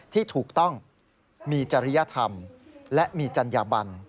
ที่ถูกต้องมีจริยธรรมและมีจัญญบัน